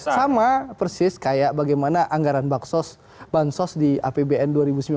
sama persis kayak bagaimana anggaran bansos di apbn dua ribu sembilan belas